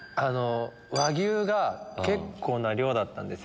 和牛が結構な量だったんですよ。